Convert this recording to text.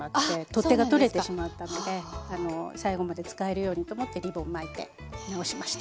取っ手がとれてしまったので最後まで使えるようにと思ってリボンを巻いて直しました。